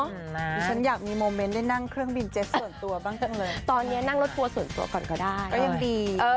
นี่ฉันอยากมีโมเมนต์ได้นั่งเครื่องบินเจ็ตส่วนตัวบ้างจังเลยตอนนี้นั่งรถทัวร์ส่วนตัวก่อนก็ได้ก็ยังดี